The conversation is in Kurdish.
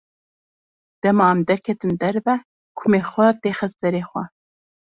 Dema em derkevin derve kumê xwe têxe serê xwe.